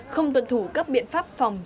không tuân thủ các biện pháp phòng